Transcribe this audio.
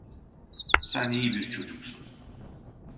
Sen iyi bir çocuksun.